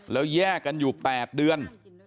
แล้วแยกกันอยู่๘เดือน